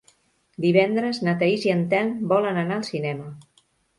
Divendres na Thaís i en Telm volen anar al cinema.